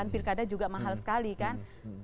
pilkada juga mahal sekali kan